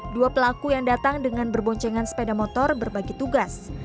dua pelaku yang datang dengan berboncengan sepeda motor berbagi tugas